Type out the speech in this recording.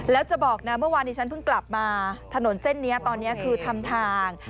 แล้วจะบอกนะเมื่อวานนี้ฉันเพิ่งกลับมาถนนเส้นนี้ตอนนี้คือทำทาง